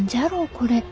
これ。